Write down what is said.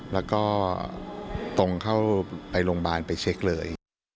แล้วก็ตรงเข้าไปโรงพยาบาลไปเช็คเลย